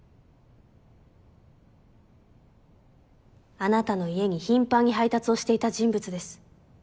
あなたの家に頻繁に配達をしていた人物です。